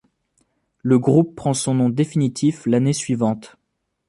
Le groupe prend son nom définitif l'année suivante.